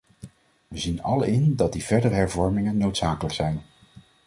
Wij zien allen in dat die verdere hervormingen noodzakelijk zijn.